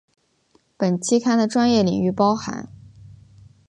本期刊的专业领域包含